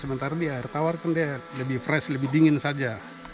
sementara di air tawar kan dia lebih fresh lebih dingin saja